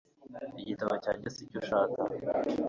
Igitambo cyanjye si cyo ushaka